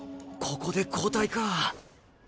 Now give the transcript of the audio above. ここで交代か。